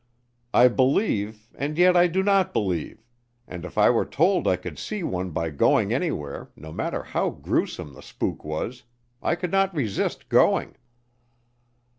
I believe and yet I do not believe, and if I were told I could see one by going anywhere, no matter how grewsome the spook was, I could not resist going."